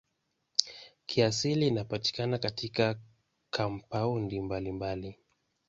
Kiasili inapatikana katika kampaundi mbalimbali.